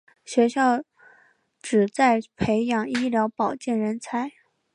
学校旨在培养医疗保健人才。